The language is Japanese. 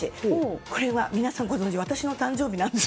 これは皆さんご存じ私の誕生日なんです。